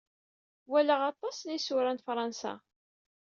Walaɣ aṭas n yisura n Fṛansa.